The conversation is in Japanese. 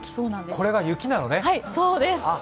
これが雪なのね！